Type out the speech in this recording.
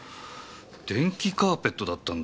電気カーペットだったんだ。